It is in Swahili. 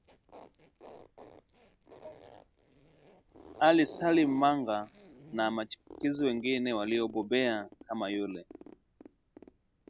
Ali Salim Manga na machipukizi wengine waliobobea kama yule